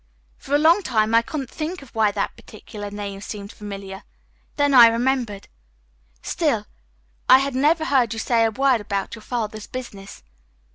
For a long time I couldn't think of why that particular name seemed familiar. Then I remembered. Still, I had never heard you say a word about your father's business.